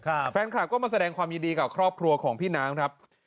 แฟนคลับก็มาแสดงความยินดีกับครอบครัวของพี่น้ำครับ